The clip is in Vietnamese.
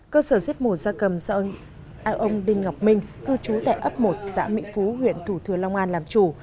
cơ sở giếp mổ gia cầm do ông đinh ngọc minh hư chú tại ấp một xã mỹ phú huyện thủ thừa long an làm chủ